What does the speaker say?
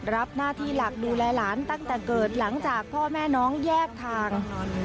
รับหน้าที่หลักดูแลหลานตั้งแต่เกิดหลังจากพ่อแม่น้องแยกทาง